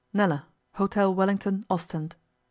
Nella. Hôtel Wellington, Ostend.